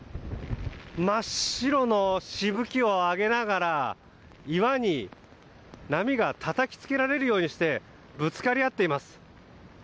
真っ白のしぶきを上げながら岩に、波がたたきつけられるようにしてぶつかり合っています。